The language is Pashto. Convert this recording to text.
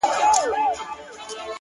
زه خو یارانو نامعلوم آدرس ته ودرېدم _